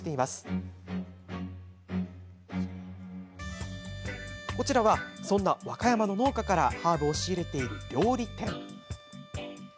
こちらは、そんな和歌山の農家からハーブを仕入れている料理店。